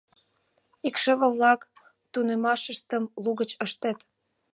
Икшыве-влак тунемшашыштым лугыч ыштет.